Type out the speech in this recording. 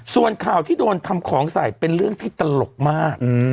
ส่วนข่าวที่โดนทำของใส่เป็นเรื่องที่ตลกมาก